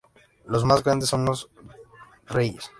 Los más grandes son los de los reyes.